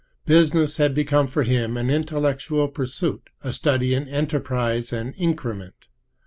Business had become for him an intellectual pursuit, a study in enterprise and increment.